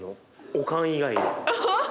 おかん以外で。